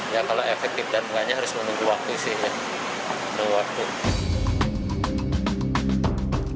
ya kalau efektif dan enggaknya harus menunggu waktu sih